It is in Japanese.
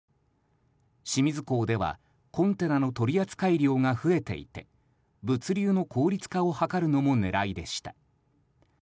清水港ではコンテナの取扱量が増えていて物流の効率化を図るのも狙いでした。